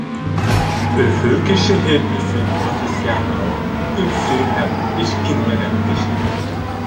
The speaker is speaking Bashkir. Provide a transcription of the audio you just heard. Өфө кешеһе өсөн профессионал — көнсөл һәм эшкинмәгән кеше.